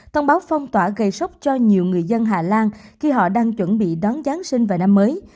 thông báo phong tỏa gây sốc cho nhiều người dân hà lan khi họ đang chuẩn bị đón giáng sinh và năm mới